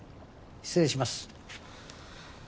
失礼します。